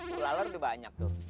ula ula udah banyak tuh